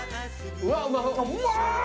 うわうわー！